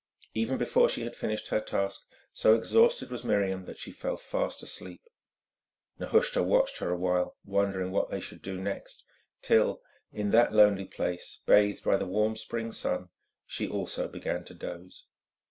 Even before she had finished her task, so exhausted was Miriam that she fell fast asleep. Nehushta watched her a while, wondering what they should do next, till, in that lonely place bathed by the warm spring sun, she also began to doze.